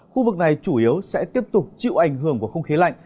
khu vực này chủ yếu sẽ tiếp tục chịu ảnh hưởng của không khí lạnh